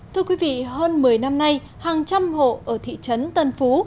thưa quý vị hơn một mươi năm nay hàng trăm hộ ở thị trấn tân phú